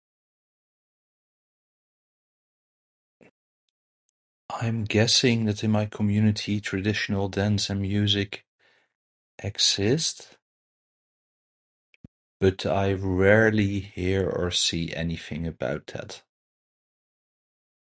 I'm guessing that in my community traditional dance and music exist, but I rarely hear or see anything about that.